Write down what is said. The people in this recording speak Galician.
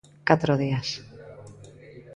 Catro días.